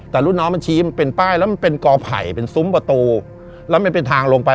แต่รุ่นน้องมันชี้มันเป็นป้ายแล้วมันเป็นกอไผ่เป็นซุ้มประตูแล้วมันเป็นทางลงไป